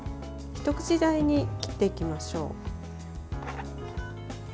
一口大に切っていきましょう。